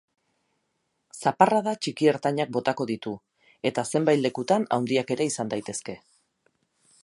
Zaparrada txiki-ertainak botako ditu, eta zenbait lekutan handiak ere izan daitezke.